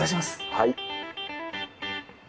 はい。